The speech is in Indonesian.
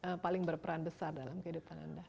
apa yang paling berperan besar dalam kehidupan anda